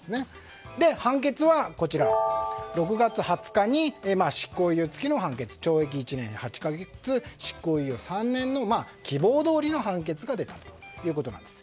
判決は、６月２０日に執行猶予付きの判決懲役１年８か月、執行猶予３年の希望どおりの判決が出たということです。